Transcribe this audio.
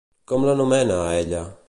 Com l'anomena, a ella?